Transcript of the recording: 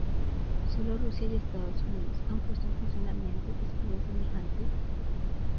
Sólo Rusia y Estados Unidos han puesto en funcionamiento escudos semejantes.